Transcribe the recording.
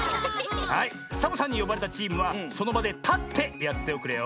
サボさんによばれたチームはそのばでたってやっておくれよ。